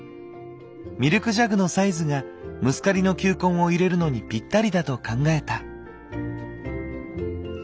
ミルクジャグのサイズがムスカリの球根を入れるのにぴったりだと考えた。